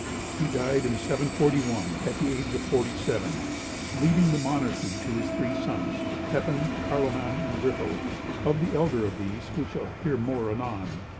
He died in 741, at the age of forty seven, leaving the monarchy to his three sons, Pepin, Carloman, and Griffo. Of the elder of these, we shall hear more anon.